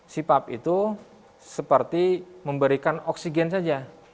sipap itu seperti memberikan oksigen saja